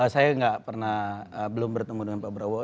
saya belum pernah bertemu dengan pak prabowo